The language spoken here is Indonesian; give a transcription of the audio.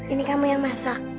ini kamu yang masak